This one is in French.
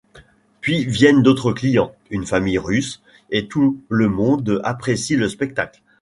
Puis viennent d'autres clients: une famille russe, et tout le monde apprécie le spectacle.